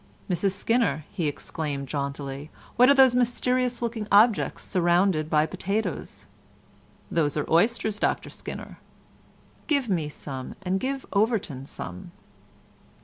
"Mrs Skinner," he exclaimed jauntily, "what are those mysterious looking objects surrounded by potatoes?" "Those are oysters, Dr Skinner." "Give me some, and give Overton some."